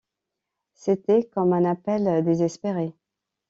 C’était comme un appel désespéré.